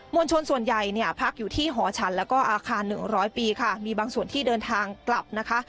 วลชนส่วนใหญ่เนี่ยพักอยู่ที่หอฉันแล้วก็อาคารหนึ่งร้อยปีค่ะมีบางส่วนที่เดินทางกลับนะคะ